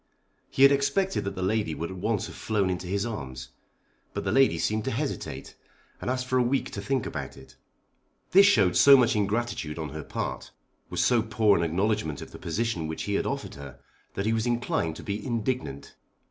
He had expected that the lady would at once have flown into his arms. But the lady seemed to hesitate, and asked for a week to think about it. This showed so much ingratitude on her part, was so poor an acknowledgment of the position which he had offered her, that he was inclined to be indignant.